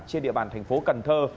chê địa bàn thành phố cần thơ